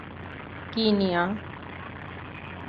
Kenya